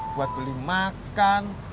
buat beli makan